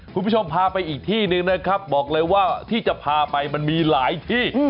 คุณผู้ชมพาไปอีกที่หนึ่งนะครับบอกเลยว่าที่จะพาไปมันมีหลายที่